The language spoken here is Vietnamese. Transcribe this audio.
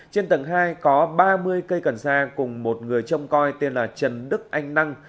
trên tầng hai có ba mươi cây cần sa cùng một người trông coi tên là trần đức anh năng